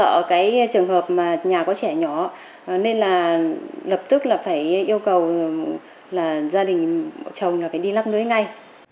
tôi rất là sợ cái trường hợp mà nhà có trẻ nhỏ nên là lập tức là phải yêu cầu là gia đình chồng là phải đi lắp lưới ngay